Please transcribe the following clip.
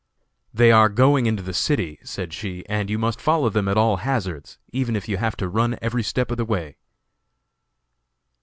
"They are going into the city," said she, "and you must follow them at all hazards, even if you have to run every step of the way."